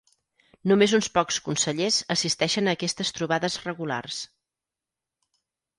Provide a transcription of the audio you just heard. Només uns pocs consellers assisteixen a aquestes trobades regulars.